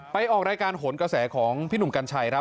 ออกรายการโหนกระแสของพี่หนุ่มกัญชัยครับ